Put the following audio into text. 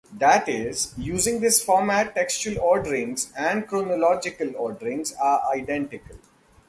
That is, using this format textual orderings and chronological orderings are identical.